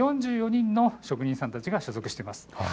４４人の職人さんたちが所属しています。